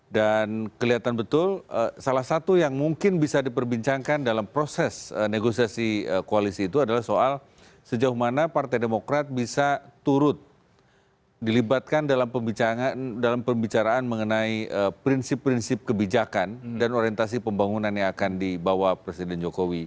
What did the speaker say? dan kelihatan betul salah satu yang mungkin bisa diperbincangkan dalam proses negosiasi koalisi itu adalah soal sejauh mana partai demokrat bisa turut dilibatkan dalam pembicaraan mengenai prinsip prinsip kebijakan dan orientasi pembangunan yang akan dibawa presiden jokowi berikutnya